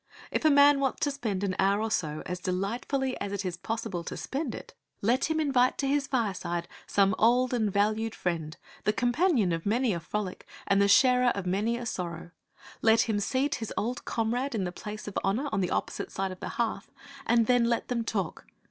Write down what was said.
If a man wants to spend an hour or so as delightfully as it is possible to spend it, let him invite to his fireside some old and valued friend, the companion of many a frolic and the sharer of many a sorrow; let him seat his old comrade there in the place of honour on the opposite side of the hearth, and then let them talk.